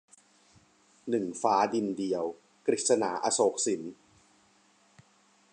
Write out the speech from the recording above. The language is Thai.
หนึ่งฟ้าดินเดียว - กฤษณา อโศกสิน